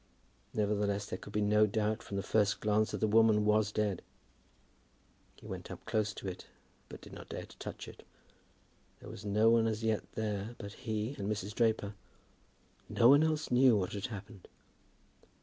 Nevertheless there could be no doubt from the first glance that the woman was dead. He went up close to it, but did not dare to touch it. There was no one as yet there but he and Mrs. Draper; no one else knew what had happened.